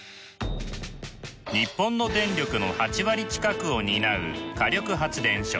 日本の電力の８割近くを担う火力発電所。